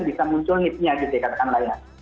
bisa muncul nip nya gitu ya katakan mbak ya